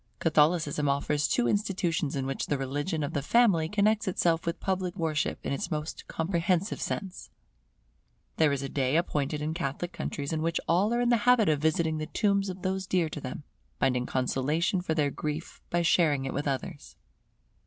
Catholicism offers two institutions in which the religion of the family connects itself with public worship in its most comprehensive sense. There is a day appointed in Catholic countries in which all are in the habit of visiting the tombs of those dear to them; finding consolation for their grief by sharing it with others.